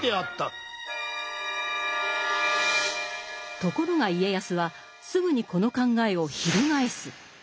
ところが家康はすぐにこの考えを翻す。